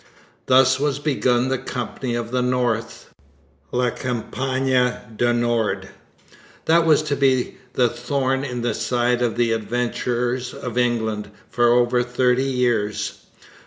Thus was begun the Company of the North (la Compagnie du Nord) that was to be a thorn in the side of the 'Adventurers of England' for over thirty years.